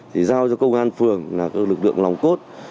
thì giao cho công an phường là các lực lượng lòng cốt